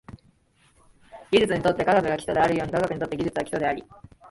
技術にとって科学が基礎であるように、科学にとって技術は基礎であり、